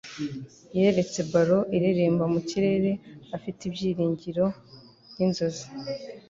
Yaretse ballon ireremba mu kirere afite ibyiringiro n'inzozi.